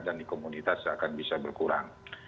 dan di komunitas akan bisa berkurang